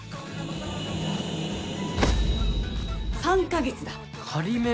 ３か月だ。